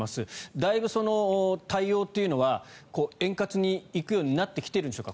だいぶ対応というのは円滑にいくようになってきているんでしょうか？